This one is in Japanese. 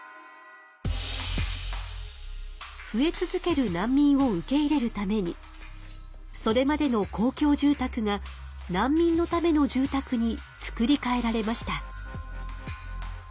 増え続ける難民を受け入れるためにそれまでの公共住たくが難民のための住たくに造りかえられました。